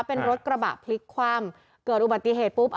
เป็นรถกระบะพลิกคว่ำเกิดอุบัติเหตุปุ๊บ